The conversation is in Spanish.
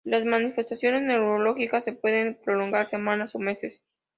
Las manifestaciones neurológicas se pueden prolongar semanas o meses.